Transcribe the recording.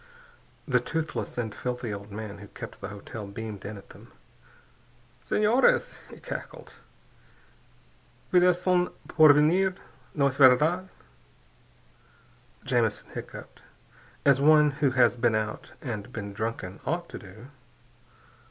The toothless and filthy old man who kept the hotel beamed in at them. "Senores," he cackled. "Vdes son de Porvenir, no es verdad?" Jamison hiccoughed, as one who has been out and been drunken ought to do.